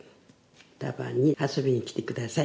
双葉に遊びに来てください。